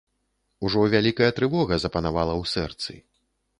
Ужо вялікая трывога запанавала ў сэрцы.